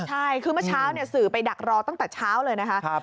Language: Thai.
ใช่คือเมื่อเช้าสื่อไปดักรอตั้งแต่เช้าเลยนะคะ